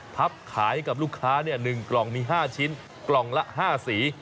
ขายกับลูกค้า๑กล่องมี๕ชิ้นกล่องละ๕สี